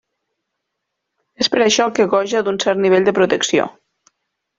És per això que goja d'un cert nivell de protecció.